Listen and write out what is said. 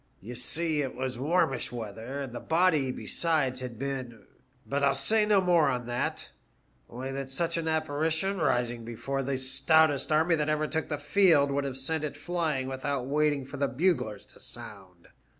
You see it was warmish weather, and the body besides had been — but I'll say no more on that ; only that such an apparition rising before the stoutest army that ever took the field would have sent it flying without waiting for the buglers to sound.